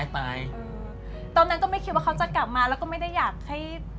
ตอนนั้นก็ไม่คิดว่าเขาจะกลับมาแล้วก็ไม่ได้อยากให้